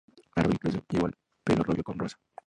Avril incluso lleva el pelo rubio con rosa".